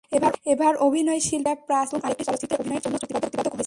এবার অভিনয়শিল্পী রোকেয়া প্রাচী নতুন আরেকটি চলচ্চিত্রে অভিনয়ের জন্য চুক্তিবদ্ধ হয়েছেন।